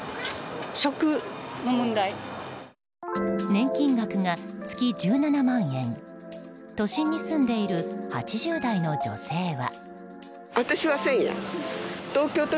年金額が月１７万円都心に住んでいる８０代の女性は。